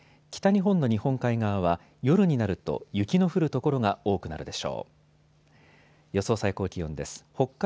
北日本の日本海側は夜になると雪の降る所が多くなるでしょう。